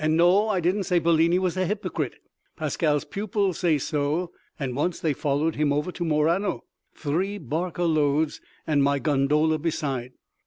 No, I didn't say Bellini was a hypocrite—Pascale's pupils say so, and once they followed him over to Murano—three barca loads and my gondola beside.